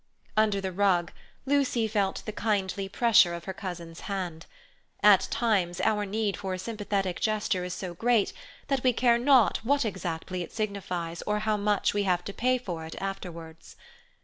Under the rug, Lucy felt the kindly pressure of her cousin's hand. At times our need for a sympathetic gesture is so great that we care not what exactly it signifies or how much we may have to pay for it afterwards.